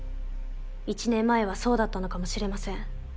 １年前はそうだったのかもしれません。